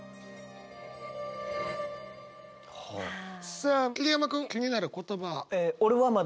さあ桐山君気になる言葉。